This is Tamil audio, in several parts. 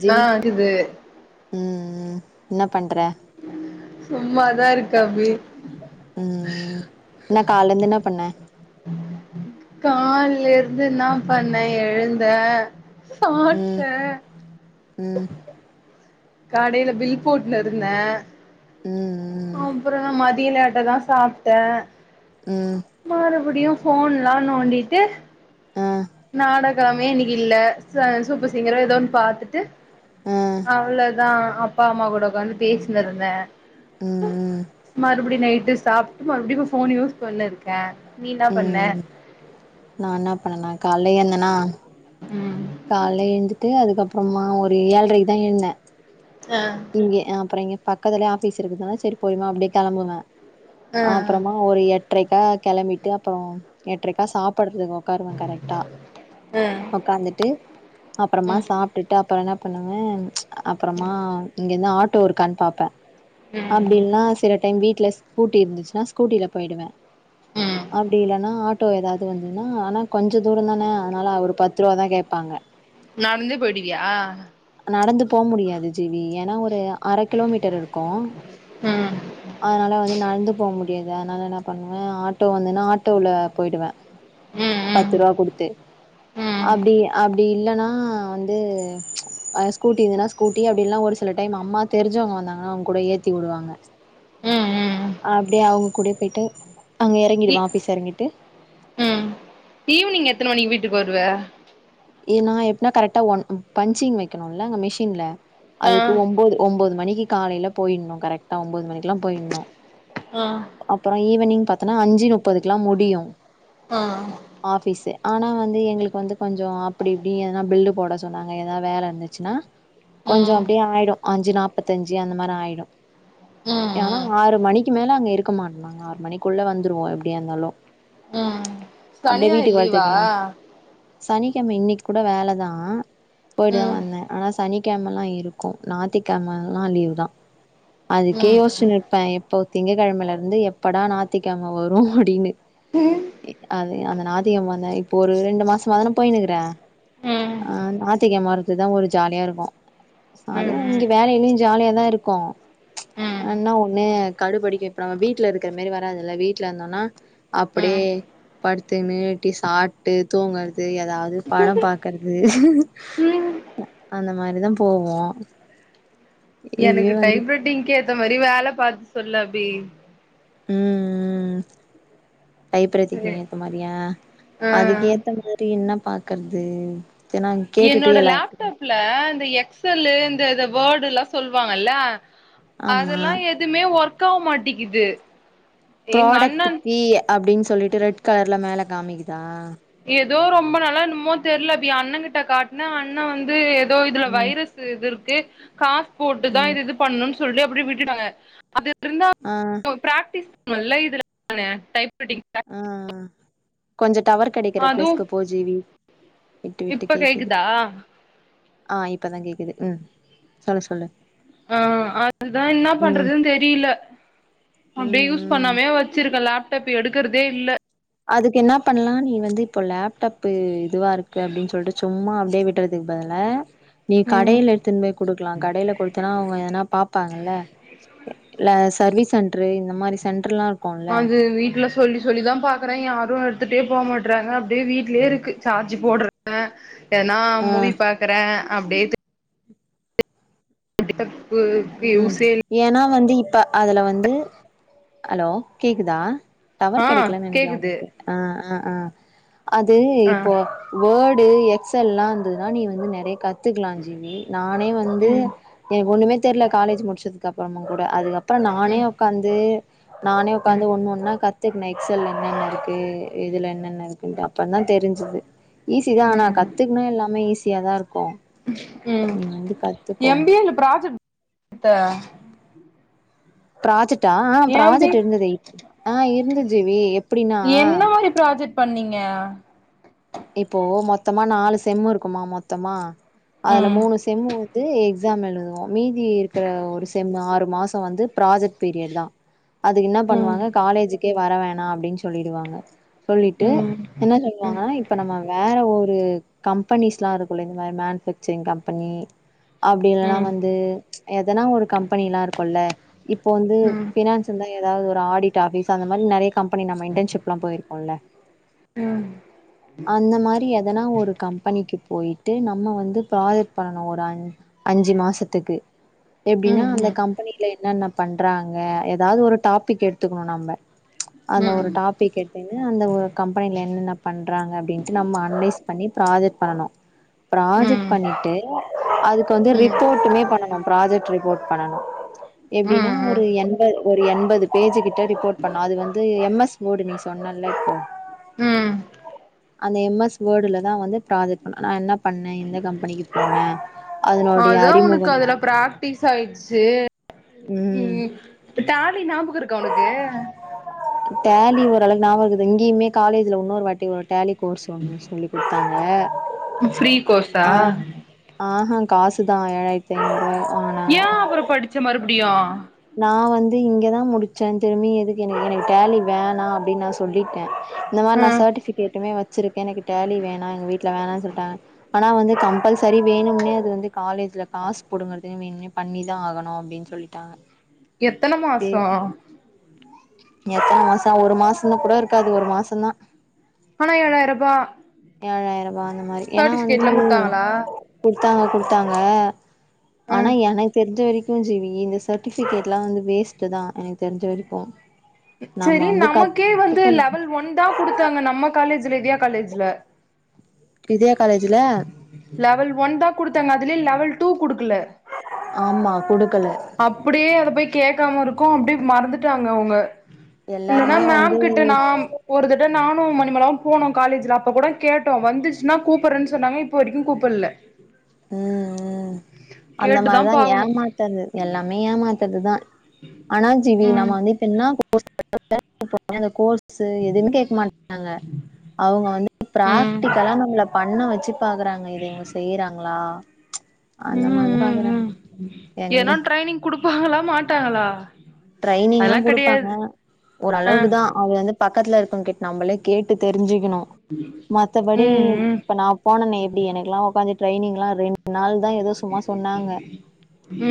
இன்னா ஜிவி கிது ம் என்ன பண்ற சும்மாதா இருக்க அபி ம் இன்ன கால்லந்து என்ன பண்ண கால்லெருந்து என்னா பண்ணே எழுந்த ம் சாப்ட்டே ம் கடைல பில் போட்னு இருந்தே ம் அப்றோ ம தியோ லேட்டாதா சாப்ட்டே ம் மறுபடியு ஃபோன்லா நோண்டிட்டு ஆ நாட கமே இன்னக்கி இல்ல ச சூப்பர் சிங்கரோ எதோன்னு பாத்துட்டு ஆ அவ்ளோதா அப்பா அம்மா கூட உக்காந்து பேசினிருந்தே ம் மறுபடி நைட்டு சாப்ட்டு மறுபடியு ஃபோன் யூஸ் பண்ணினு இருக்கே ம் ம் நா என்னா பண்ணனா கால்ல எழ்ந்தனா ம் கால்ல எழுந்துட்டு அதுக்கப்பறமா ஒரு ஏழ்ரைக்குதா எழுந்த ஆ இங்க ஆ அப்புற இங்க பக் கத்துலயே ஆஃபீஸ் இருக்கறதுனால செரி போயிரலா அப்டியே கெளம்புவே ஆ அப்பறமா ஒரு எட்ரைக்கா கெளம்பிட்டு அப்றோ எட்ரைக்கா சாப் படறதுக்கு உக்காருவ கரெக்டா ஆ உக்காந்துட்டு அப்பறமா ம் சாப்ட்டுட்டு அப்புற என்ன பண்ணுவே அ அப்பறமா ன்ன ஆட்டோ இருக்கான் பாப்பே அப்டி ம் இல்னா சில டைம் வீட் ட்ல ஸ்கூட்டி இருந்துச்னா ஸ்கூட்டில போயிடுவே. ம் அப்டி இல்லனா ஆட்டோ ஏதாவ்து வந்துதுனா ஆனா கொஞ்ச தூரந்தான அதனால ஒரு பத்து ரூவாதா கேப்பாங்க. நடந்தே போயிடுவியா? நடந்து போ முடியாது ஜீவி ஏன்னா ஒரு அர கிலோமீட்டர் இருக்கு ம் அதனால வந்து நடந்து போ முடி யாது அதனால என்ன பண்ணுவே ஆட்டோ வந்துதுனா ஆட்டோல போயிடுவே ம் ம் பத்து ரூவா குடுத்து. ம் அப்டி அப்டி இல்லனா வந்து அ ஸ்கூட்டி இருந்தனா ஸ்கூட்டி அப்டில்லனா ஒரு சில டைம் அம்மா தெரிஞ்சவங்க வந்தாங்கனா அவுங் கூட ஏத்தி வுடுவாங்க ம் ம் அப்டியே அவுங்க கூட போய்ட்டு அங்க இ எறங்கடுவேன் ஆபீஸ் எறங்கிட்டு ம் ஈவினிங் எத்தன மணிக்கி வீட்டுக்கு வருவ ஏனா எப்னா கரைட்டா ஒன் ம் பஞ்சிங் வைக்கணுல மஷின்ல ஆ அதுக்கு ஒம்போது ஒம்பது மணி இது காலையில போயிணும் கரெக்ட்டா ஒம்பது மணிக்கெல்லாம் போயிணும் ஆ அப்பறோம் ஈவனிங் பாத்தனா அஞ்சி முப்பதுக்லா முடியும் ஆ ஆனா வந்து எங்களுக்கு வந்து கொஞ்சம் அப் அப்டி இப்டி எனா பில்லு போட சொன்னாங்க ஏதா வேல இருந்துச்சுனா கொஞ்சம் ம் ம் அப்டியே ஆயிடும் அஞ்சி நாப்பத்தஞ்சி அந்த மாரி ஆயிடும் ஏனா ம் ஆறு மணிக் க்கு மேல அங்க இருக்க மாட்டோம் நாங்க ஆறு மணிக்குள்ள வந்துருவோம் எப்டியா இருந்தாலும் ம் சனி ஞாயிறு லீவா சனி க்கழமை இன்னகி கூட வேலதான் போயிட்டு தான் ம் வந்தேன் ஆனா சனிக் கெமலாம் இருக்கு நாத்தி கெமல்லாம் லீவுதான் அதுக்கே ம் யோசிச்சுன்னு இருப்பேன் போ திங்க்கெழமலருந்து எப்படா நாத்திகெழம வரும் அப்டின்னு ம் ம் அது அந்த நாத்திகெழம வந்தா இப்ப ஒரு ரெண்டு மாசமாதானா போய்ன்னுக்குற ம் ஆ நாத்திகெழம வரத்து தான் ஒரு ஜாலியா இருக்கும் அதுவும் இங்க ம் ம் வேலைலியும் ஜாலியா தான் இருக்கும் ம் ஆனா ஒன்னு கடுபடிக்க இப்ப நம்ம வீட்லருக்குற மாரி வராதுல்ல வீட்ல இந்தோனா அப்புடியை படுத்துன்னு டி சாப்ட்டு தூங்க றது ஏதாது படம் பாக்கறது ம் அந்த மாரிதான் போவோம் எனக்கு டைப்ரட்டிங்க்கேத்த மாரி வேல பாத்து சொல் அப்டி ம் ம் டைப்ரட்டிங்க்கு சரி ஏத்த மாரியா அதுக்கு ஆ ஏத்த மாரி என்ன பா கர்து என்னோட லேப்டாப்ல இந்த எக்ஸ் எல்லு இந்த வேர்ட் துல்லா சொல்வாங்கல்ல ஆமா அதெல்லாம் எதுமே ஒர்க் க்கா மாட்டிக்குது எங்க ப்ராடக்ட் அண்ணன் பி அப்டின் சொல்லிட்டு ரெட் கலர்ல மேல காமிக்குதா ஏதோ ரொம்ப நாளா என்னமோ தெர்ல ப்பியா அண்ண கிட்ட காட்ன அண்ண வந்து தோ இதுல ம் வைரஸ்சு இது இருக்கு காஸ் போட்டுதா ம் இது இது பண்ணு சொல்ட்டு அப்டியே விட்டுட்டாங்க அது இருந்தா ஆ பிராக்டிஸ் நல்லா இதுல னே டைப் ரைட்டிங் ஆ கொஞ்ச டவர் கெடக்கற அதுவு பிளேஸ்க்கு போ ஜீவி விட்டு விட்டு இப்ப கேக்குது கேக்குதா ஆ இப்பதா கேக்குது ம் சொல்லு சொல்லு ஆ அதுதா என்னா ம் பண்றது தெரில அப்டே ம் யூஸ் ம் பண்ணாமயே வச்சிருக்க லேப்டப் எடுக்குறதே இல்ல அதுக்கு என்னா பண்லா நீ வந்து இப்போ லேப்டாப்பு இதுவா இருக்கு அப்டின் சொல்ட்டு சும்மா அப்டியே விட்றதுக்கு பதுல நீ ம் கடையில எடுத்துன் போய் குடுக்கலா கடையில கொடுத்தனா அவுங்க எதனா பாப்பாங்கல்ல இல்ல சர்வீ சென்ட்ரு இந்த மாரி சென் அது வீட்ல சொல்லி சொல்லிதா பாக்குறாங்க யார் டு எடுத்துட்டே போ மாட்றாங்க அப்டே வீட்லே இருக்கு சார்ஜு போட்றாவ நா ஆ மூவி பாக்கறே அப்டியே கண்டிப்ப ம் ஏன்னா வந்து இப்ப அதுல வந்து ஹலோ கேக்குதா டவர் ஆ கெடைக்கலனு நெனக்குறே கேக்குது உங்களுக்கு ஆ ஆ ஆ அது ஆ இப்போ வட் இது எக்ஸ் எல்லா இருந்தது நா நீ வந்து நெறய காத்து பாத்துக்கலா ஜீவி நானே வந்து ம் எனக்கு ஒன்னுமே தெர்யல காலேஜ் முடிச்சதுக்கு அப்புறமா கூட அதுக்கப்பு அப்றோ நானே ம் ஒக்காந்து நானே உக்காந்து ம் ஒண்ணு ஒன்னா கத் துக்குன எக்செல்ல என்னன்ன இருக்கு இதுல என்னன்ன இருக்குன்ட்டு அப்பறதான் தெரிஞ்சிது ஈஸிதா ஆனா ம் கத்துகினா எல்லாமே ஈஸி யாதா இருக் ம் கத்துக்கோ எம் பி ஏல ப்ராஜெக்ட் த்த பிராஜெட் தா ஆ ஏன் பி ப்ராஜெட் இருந்தது இப் ஆ இருந்தது து வி எப் என்ன ஒரு ப்ராஜெட் பண்ணீங்க இப்போ மொத்தமா நாலு செம் இருக்குமா மொத்தமா அதுல ம் மூணு செம்மு வந்து எக் ஸாம் எழுதுவோ மீதி இருக்கிற ஒரு செம்மு ஆறு மாசம் வந்து ப்ராஜெட் பீரியிட் தா அதுக்கு என்ன ம் பண்ணுவாங்க காலேஜிக்கே வரவே ண் அப்டின் சொல்லிடுவாங்க சொல்லிட்டு ம் என்ன சொல்லுவாங்க இப் இப்ப நம்ம வேற ஒரு கம்பெனிஸ்லாம் இருக்குல்ல இந்த மாரி மேனுபேக்சரிங் கம்பெனி ம் அப்டில்லா ம் வந்து எதனா ஒரு கம்பெனிலா இருக்கும் இல்ல இப்போ வந்து ம் பினான்ஸு தா எதாவது ஒரு ஆடிட் ஆபீஸ் அந்த மாரி நறையா கம்பெனி நம்ம இன்டன்ஷிப்லா போயிருக்கோம் இல்ல ம் அந்த மாரி எதானா ஒரு கம்பனிக்கு போயிட்டு நம்ம வந்து ப்ராஜெட் பண்ணனும் ஒரு அ அஞ்சி மாசத்துக்கு ம் எப்டின்னா அந்த ம் கம்பனில என்னன்ன பண்றாங்க எதாவது ஒரு டாபிக் எடுத்துக்குணும் நம்ப அந்த ம் ஒரு டாபிக் எடு த்துகினு அந்த ஒரு கம்பனில என்னன்ன பண் றாங்க அப்டின்ட்டு நம்ம அனலைஸ் பண்ணி ப்ராஜெட் பண்ணனும் ப்ராஜெக்ட் ம் பண்ணிட்டு அதுக் கு வந்து ரிப்போட்டுமே பண்ணனு நம் ப்ராஜெக்ட் ரிப்போட் பண்ணனும் எப்டின்னா ம் ஒரு எண்ப ஒரு எண்பது பேஜி கிட்ட ரிப்போட் பண்ணும் அது வந்து எம் எஸ் வோடு நீ சொன்ன இல்ல இப்போ ம் அந்த எம் எஸ் வேடுலதான் வந்து ப்ராஜெக்ட் பண்ண நான் என்ன பண்ணேன் எந்த கம்பனிக்கு போன அதான் உனக்கு அதுல பிராக்டிஸ் ஆயிடுச்சி ம் டேலி ஞாபகம் இருக்கா ஒனக்கு டேலி ஓரளவுக்கு ஞாபக இருக்குது இங்கியுமே காலேஜில இன்னொரு வாட்டி ஒரு டேலி கோர்ஸ் ஒன்னு சொல்லி குடு அ ஃப்ரீ கோர்சா காசு தா ஏழாய்தி ஐநூறு ரூவா அப்டியா நா வந்து இங்கதா முடிச்சே திரும்பி எதுக்கு எனக்கு எனக்கு டேலி வேணா அப்டின்னு நா சொல்லிட்டே இந்த மாரி நா ம் சர்ட்டிபிகேட்டுமே வச்சிருக்கே எனக்கு டேலி வேணா எங்க வீட்ல வேணானு சொல்லிட்டாங்க ஆனா வந்து கம்பல்சரி வேணும்னே அது வந்து காலேஜ்ல காசு புடுங்கறதுன்னே வேணும்னே பண்ணிதா ஆகணு அப்டின்னு சொல்லிட்டாங்க எத்தன ஏ மாசோ எத்தன மாசோ ஒரு மாசம்ன்ன கூட இருக்காது ஒரு மாசந்தா ஆனா ஏழாயிரரூபா ஏழாயிரம் அ இந்த மாரி ஏன்னா வந்து குடுத்தாங்களா குடுத்தாங்க குடுத்தாங்க ஆனா ம் எனக்கு தெரிஞ்ச வரைக் ஜீவி இந்த சர் சர்டிபிகேட் எல்லா வந்து வேஸ்டு தா எனக்கு தெரிஞ்ச வரைக்கு நாம சரி வந்து நமக்கே வந்து கத்துக்கணும் லெவல் ஒன் தா குடுத்தாங்க நம்ம காலேஜ்ல இதயா காலேஜ்ல இதயா காலேஜுல லெவல் ஒன் தா குடுத்தங்க அதுலே லெவல் டூ குடுக் ஆமா குடு அப்டியே அத போய் கேட்காம இருக்கு அப்டியே மறந்துட்டாங்க அவுங்க இல்லன்னா எல்லாருமே வந்து மேம் கிட்ட நா ஒரு திட்ட நானு மண நம்மளாம் போனோ காலேஜ்ல அப்ப கூட கேட்டோ வந்துருச்ன்னா கூப்பிடறேன்னு சொன்னாங்க இப்போ வரைக்கு கூப்புட்ல உம் உம் அந்த கேட்டுதா மாரிதா பாக்கணு ஏமாத்துறது எல்லாமே ஏமாத்துறதுதா ஆனா ஜீவி ம் நம்ம வந்து இப்ப என்னா [unintelligible] சரி எதுன்னு கேட்க மாட்டாங்க அவுங்க வந்து ம் பிராக்டிகலா நம்மல பண்ண வச்சு பாக்குறாங்க இத இவுங்க செய்றாங் ஆ ம் ம் ம் ஏனா எங்க ட்ரைனிங் குடுப்பாங்களா மா ட்டாங்களா ட்ரைனிங்லா குடுப்பாங்க ஆ ஓரளவுக்குதா அது வந்து பக்கத்துல இருக்கவங்க கிட்ட நம்பளே கேட்டு தெரிஞ்சுக்கணு. மத்தபடி ம் ம் இப்ப நா போனனே எப்டி எனக்கெல்லா ஒக்காந்து ட்ரைனிங்லா ரெண்டு நாள் தா எதோ சும்மா சொன்னாங்க.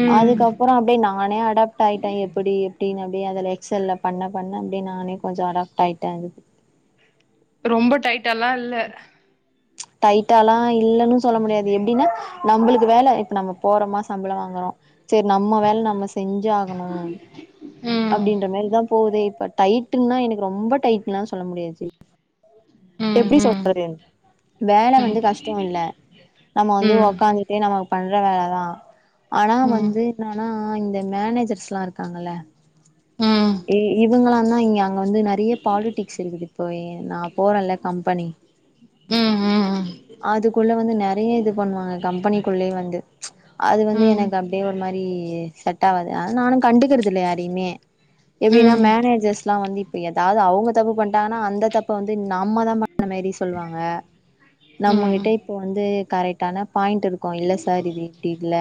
ம் அதுக்கப்பறோ அப்டியே நானே அடாப்ட் ஆயிட்டே எ எப்டின்னு அப்டியே அதுல எக்செல்ல பண்ண பண்ண அப்டியே நானே கொஞ்ச அடாப்ட் ஆயிட்டே அதுக்கு. ரொம்ப டைட்டால்லா இல்ல டைட்டால்லா இல்லன்னு சொல்ல முடியாது எப்டினா நம்பளுக்கு வேல இப்ப நம்ம போறோமா சம்பளோ வாங்கறோ சேரி நம்ம வேல நம்ம செஞ்சு ஆகணு ம் அப்டின்ற மாரிதா போவுது இப்ப டைட்டுன்னா எனக்கு ரொம்ப டைட்டுன்லா சொல்ல முடியாது ஜீவி ம் எப்டி ம் சொல்றது வேல ம் வந்து கஷ்டோ இல்ல நம்ம வந்து ம் ஒக்காந்துட்டே நம்ம பண்ற வேலதா ஆனா ம் வந்து என்னனா ஆ இந்த மேனேஜர்ஸ்லா இருக்காங்கல்ல ம் இ இவங்கல்லா ந்தா இங்க அங்க வந்து நெறைய பாலிடிக்ஸ் இருக்குது இப்ப எ நா போறேல்ல கம்பனி ம் ம் ம் அதுக்குள்ள வந்து நெறைய இது பண்ணுவாங்க கம்பனிக்குள்ளயே வந்து அது வந்து ம் எனக்கு அப்டியே ஒரு மாரி செ ட்டாவாது அது நானு கண்டுக்கறதில்ல யாரையுமே எப்டினா ம் மேனேஜர்ஸ்லா வந்து இ ப்ப எதாவது அவங்க தப்பு பண்ட்டாங்கனா அந்த தப்ப வந்து நம்மதா பண்ண மாரி சொல்வாங்க. ம் நம்மகிட்ட இப்ப வந்து கரெக்டான பாயிண்ட்டு இருக்கு இல்ல சார் இது இப்டி இல்ல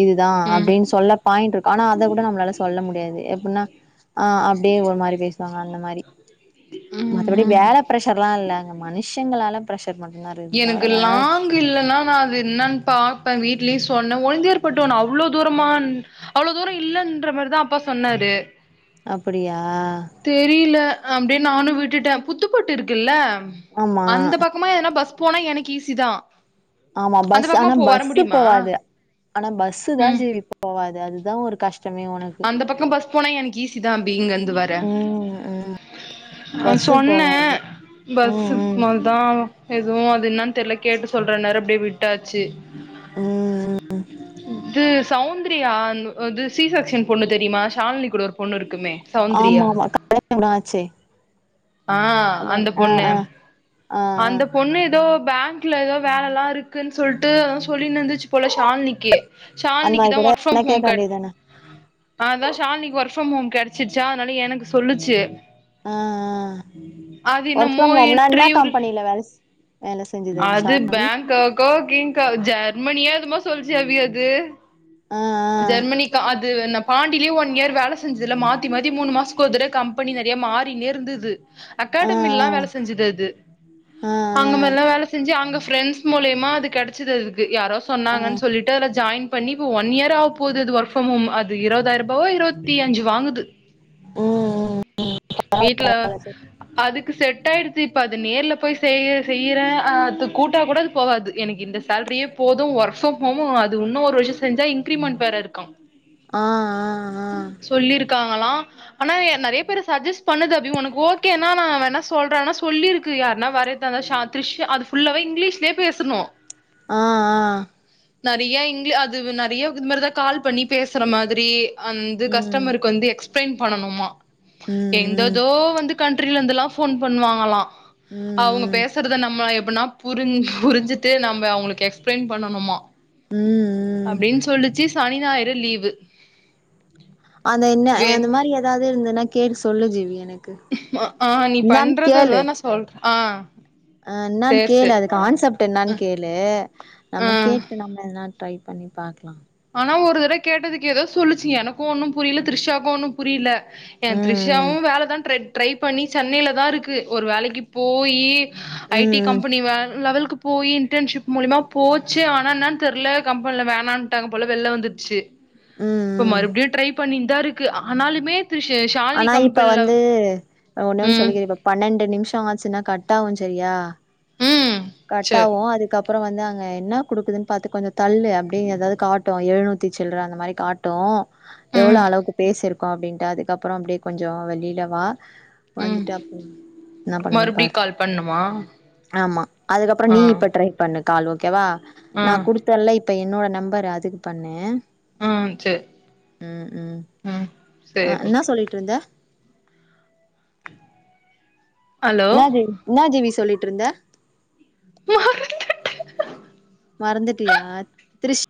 இதுதா ம் அப்டின் சொல்ல பாய்ண்ட் இருக்கு ஆனா அத கூட நம்மளால சொல்ல முடியாது எப்புட்னா ஆ அப்டியே ஒரு மாரி பேசுவாங்க அந்த மாரி. ம் மத்தபடி ம் வேல பிரஷர்லா இல்ல அங்க மனுஷங்களால பிரஷ எனக்கு லாங் இல்லனா நா அது என்னன் பாப்பேன்னு வீட்லயு சொன்னே ஒளுந்தையார்ப்பேட்ட என்ன அவ்ளோ தூரமா என் அவ்ளோ தூரோ இல்லன்ற மாரிதா அப்பா சொன்னாரு அப்படியா தெரியில அ ப்டியே நானு விட்டுட்டே புத்துப்பட்டு இருக்குல்ல ம் ஆமா அந்த பக்கமா எதனா பஸ் போன எனக்கு ஈஸி தா ஆமா அந்த பஸ் பக்கமா ஆனா போ வர பஸு முடியுமா போவாது ஆனா பஸு தான் ம் ஜீவி போவா து அதுதான் ஒரு கஷ் அந்த பக்கம் பஸ் போனா எனக்கு ஈஸி தான் அபி இங்கந்து வர ம் ம் ஆ பஸ்ஸு சொன்னன் போகாது ம் பஸு ம் மதான் எதுவும் அது என்னான் தெர்ல கேட்டு சொல்றன்னாரு அப்டே விட்டாச்சி ம் ம் இது சௌந்திரியா அ அது சிசெக்க்ஷன் பொண்ணு தெரியுமா ஷால்னி கூட ஒரு பொண்ணு இருக்குமே ஆமா சௌந்தர்யா ஆமா கல்யாணம் கூட ஆச்சே ஆ அதான அந்த ஆ பொண்ணு ஆ ஆ ஆ அந்த பொண்ணு எதோ பேங்க்ல எதோ வேலலாம் இருக்குன் சொல்ட்டு சொல்லினு இந்துச்சி போல ஷால்னிக்கு அந்த ஷால்னிக்கு மாரி தா கூட ஒர்க் ஃபுரம் என்ன ஹோம் கேட்க கெட் வேண்டியதான நான்தா ஷால்னிக்கு ஒர்க் வொர்க் ஃபுரம் ஹோம் கெடைச்சிருச்சா அதனால எனக்கு சொல்லுச்சி ஆ ஆ ஒர்க் என்னமோ ஃபுரம் ஹோம்னா என்ன இன்டர்வியூ கம்பெனில வேல வேல செஞ்சது அது ஷாலினி பேங்காக்கோ கிங்கா ஜெர்மனியா என்னமோ சொல்ச்சி அபி அது ஆ ஜெர்மனிக்கா அது நா பாண்டிலே ஒன் இயர் வேல செஞ்சது இல்ல மாத்தி மாத்தி மூணு மாசக்கு ஒரு தடவ கம்பனி நறையா மாறின்னே இருந்தது ஆ அகாடமில்லா வேல செஞ்சிது அது ஆ ஆ அங்க மாரிலாம் வேல செஞ்சி அங்க ஃப்ரெண்ஸ் மூலியமா அது கெடச்சது அதுக்கு து யாரோ ஆ ஆ ஆ சொன்னாங்கன் சொல்லிட்டு அது ஜாயின் பண்ணி இப்ப ஒன் இயர் ஆவ போவுது அது ஒர்க் ஃபுரம் ஹோம் அது இருவதாயிரூபாவோ இருவத்தி அஞ்சி வாங்குது ம் ம் வீட்ல அதுக்கு செட் ஆயிடுச் பி இப்ப அது நேர்ல போய் செய்ய செய்யறன் ஆ அது கூட்டா கூட அது போகாது எனக்கு இந்த சேலரியே போதும் ஒர்க் ஃபுரம் ஹோமு அது உன்னும் ஒரு வருஷம் செஞ்சா இன் கிரிமெண்ட் வேற இருக்கா ஆ ஆ சொல்லிருக்காங்களா ஆனா நறையா பேரு சஜஸ்ட் பண்ணுது அபி ஒனக்கு ஓகேனா நான் வேணா சொல்றன்னா சொல்லிருக்கு யார்னா வரதாந்தா ஷா திர்ஷா அது ஃபுல்லாவே இங்கிலீஷ்லே பேசுணும் ஆ ஆ நெறய இங்க அது நெறய இது மாரிதா கால் பண்ணி பேசுற மாதிரி அந்து ஆ ம் கஸ்டமருக்கு வந்து எக்ஸ்ட எக்ஸ்பிளைன் பண்ணணுமா ம் ம் எந்ததோ வந்து கண்ட்ரில இருந்துலா போன் பண்ணுவாங்கலா அவுங்க ம் ம் பேசுறத நம்ம எப் நா புரிஞ் புரிஞ்சுட்டு நம்ம அவுங்களுக்கு எக்ஸ்பிளைன் பண்ணணுமா ம் அப்டின் சொல்லுச்சு சனி ஞாயிறு லீவு அந்த என்ன வே அந்த மாதிரி ஏதாவது இருந்துன்னா கேட்டு சொல்லு ஜீவி எனக்கு ஆ நீ பண்றத தா நா சொல்றே ஆ அ இன்னானு சேர் கேளு சேர் அது கான்செப்ட் என்னானு கேளு நம்ம ஆ கேட்டு நம்ம எதுனா ட்ரை பண்ணி பாக்கலா ஆனா ஒரு தடவ கேட்டதுக்கு ஏதோ சொல்லுச்சு எனக்கு ஒன்னு புரியல த்ரிஷாவுக்கு ஒன்னு புரியல ம் ஏன் த்ரிஷாவு ம் வேலதா ட்ரெட் ட்ரை பண்ணி சென்னையில தா இருக்கு ஒரு வேலைக்கு போயி ஐ டி ம் ம் கம்பெனி வேற லெவல்கு போய் இன்டன்ஷிப் மூலிமா போச்சு ஆனா என்னனு தெரியில கம்பெனில வேணான்னு ட்டாங்க போல வெளிள வந்துருச்சு ம் இப்ப ம் மறுபடியு ட்ரை பண்ணி இதா இருக்கு ஆனாலுமே த்ரிஷ் ஷாலினி ஆனா இப்ப கம்பெனில வந்து ஒன்னே ஒன்னு ம் சொல்லிக்கிற இப்ப பன்னெண்டு நிமிஷோ ஆச்சுன்னா கட்டாவு செரியா ம் சேர் கட்டாவு அதுக்கப் அப்பறோ வந்து அங்க என்ன கொடுக்குதுன்னு பாத்து கொஞ்சோ தள்ளு அப்டினு ஏதாவது காட்டு எழுநூத்தி சில்ற அந்த மாரி காட்டு எவ்ளோ ம் அளவுக்கு பேசி இருக்கோ அப்படின்ட்டு அதுக்கப் அப்பற அப்டியே கொஞ்சௌ வெளில வா ம் வந்துட்டு அப்ப என்னா பண்ணுதுன்னு மறுபடியு பாரு கால் பண்ணுமா ஆமா அதுக்கப்றோ ஆ நீ இப்ப ட்ரை பண்ணு கால் ஓகேவா ஆ நா குடுத்தல்ல இப் இப்போ என்னோட நம்பர் அதுக்கு பண்ணு ம் சேர் ம் அ சேர் என்ன சொல்லிட்டு இருந்த ஹலோ என்னாது என்னாது விஸ் சொல்லிட்டு இருந்த உஹ அஹ மறந்துட்டியா திரிஷ்